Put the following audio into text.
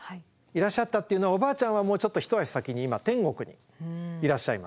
いらっしゃったっていうのはおばあちゃんはもうちょっと一足先に今天国にいらっしゃいます。